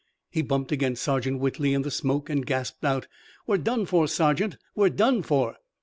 He bumped against Sergeant Whitley in the smoke and gasped out: "We're done for, Sergeant! We're done for!"